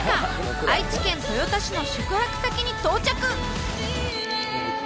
愛知県豊田市の宿泊先に到着！